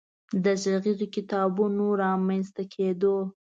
د غږیزو کتابونو رامنځ ته کېدو